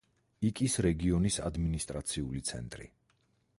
იკის რეგიონის ადმინისტრაციული ცენტრი.